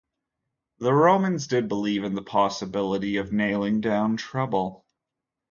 The Romans did believe in the possibility of nailing down trouble.